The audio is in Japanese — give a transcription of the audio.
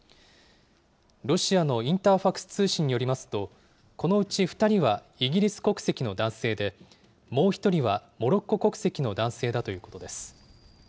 ロシアのインターファクス通信によりますと、このうち２人はイギリス国籍の男性で、もう１人はモロッコ国籍の男性だということです。